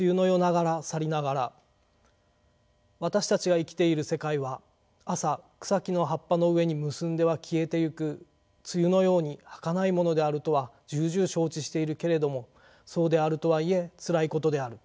私たちが生きている世界は朝草木の葉っぱの上に結んでは消えていく露のようにはかないものであるとはじゅうじゅう承知しているけれどもそうであるとはいえつらいことである。